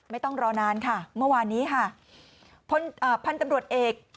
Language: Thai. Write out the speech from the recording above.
ไม่ต้องรอนานค่ะเมื่อวานนี้ค่ะพลอ่าพันธุ์ตำรวจเอก